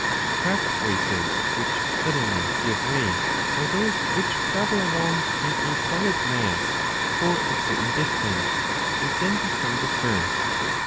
Cracked voices which suddenly give way are those which travel along in a solid mass for a certain distance and then become dispersed.